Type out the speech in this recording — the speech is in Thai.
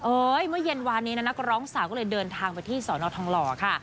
เมื่อเย็นวานนี้นะนักร้องสาวก็เลยเดินทางไปที่สอนอทองหล่อค่ะ